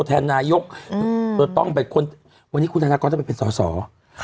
แทนนายกอืมต้องเป็นคนวันนี้คุณธนกรจะเป็นเป็นส่อส่อค่ะ